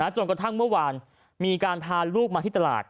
จนกระทั่งเมื่อวานมีการพาลูกมาที่ตลาด